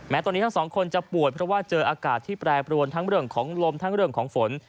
ตอนนี้ทั้งสองคนจะป่วยเพราะว่าเจออากาศที่แปรปรวนทั้งเรื่องของลมทั้งเรื่องของฝน